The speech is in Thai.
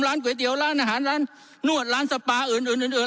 ก๋วยเตี๋ยวร้านอาหารร้านนวดร้านสปาอื่นอื่น